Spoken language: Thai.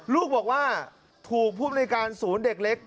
ลูกบอกว่าถูกภูมิในการศูนย์เด็กเล็ก